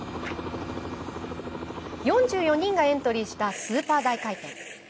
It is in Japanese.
４４人がエントリーしたスーパー大回転。